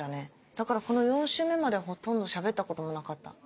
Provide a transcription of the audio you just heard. だからこの４周目まではほとんど喋ったこともなかった。